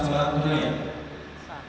masyarakat dan masyarakat ala suatu